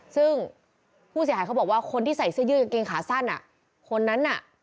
ซึ่งผู้เสียหายเขาบอกว่าคนที่ใส่เสื้อยืดกางเกงขาสั้นคนนั้นน่ะ